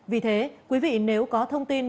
vì thế quý vị nếu có thông tin